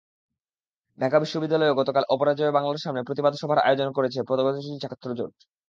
ঢাকা বিশ্ববিদ্যালয়েও গতকাল অপরাজেয় বাংলার সামনে প্রতিবাদ সভার আয়োজন করেছে প্রগতিশীল ছাত্রজোট।